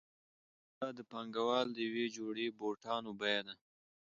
دا د پانګوال د یوې جوړې بوټانو بیه ده